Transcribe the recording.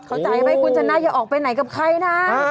เข้าใจไหมคุณชนะอย่าออกไปไหนกับใครนะ